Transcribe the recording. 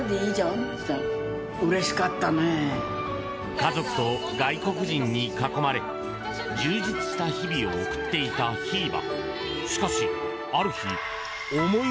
家族と外国人に囲まれ充実した日々を送っていたひーば。